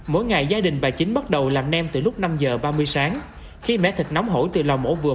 mỗi ngày gia đình bà chính bắt đầu làm nem từ lúc năm giờ ba mươi sáng khi mẻ thịt nóng hổi từ lò mổ vừa